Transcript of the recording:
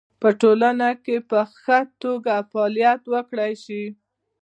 په ټولنه کې په خه توګه فعالیت وکړی شي